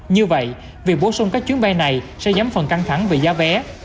như vậy việc bổ sung các chuyến bay này sẽ giấm phần căng thẳng về giá vé